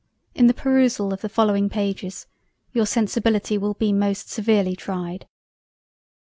in the perusal of the following Pages your sensibility will be most severely tried.